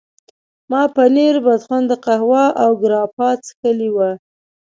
ما پنیر، بدخونده قهوه او ګراپا څښلي وو.